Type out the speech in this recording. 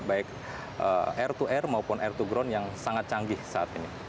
baik air to air maupun air to ground yang sangat canggih saat ini